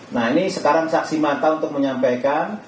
nah ini sekarang saksi mata untuk menyampaikan